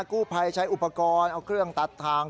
กู้ภัยใช้อุปกรณ์เอาเครื่องตัดทาง